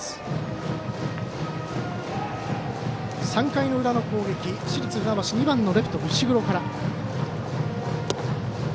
３回の裏の攻撃市立船橋２番のレフト、石黒から。